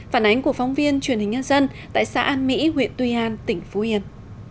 phản ánh của phóng viên truyền hình nhân dân tại xã an mỹ huyện tuy an tỉnh phú yên